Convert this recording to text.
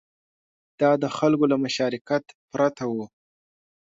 دا د خلکو له مشارکت پرته و